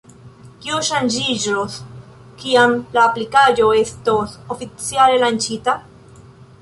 Kio ŝanĝiĝos, kiam la aplikaĵo estos oficiale lanĉita?